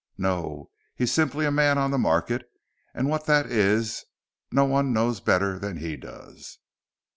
No! He's simply a man on the market, and what that is no one knows better than he does."